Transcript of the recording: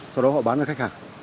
sau đó họ bán cho khách hàng